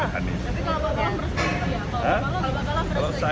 tapi kalau pak paloh harus berhati hati ya